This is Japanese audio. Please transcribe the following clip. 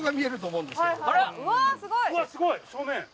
うわすごい正面！